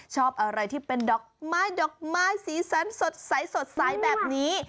ชอบอะไรที่เป็นดอกไม้ดอกไม้สีสันสดใสแบบนี้